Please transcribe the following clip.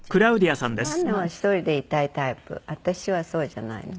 アンナは１人でいたいタイプ私はそうじゃないの。